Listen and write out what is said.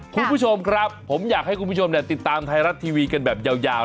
คุณผู้ชมครับผมอยากให้คุณผู้ชมติดตามไทยรัฐทีวีกันแบบยาว